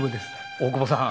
大久保さん。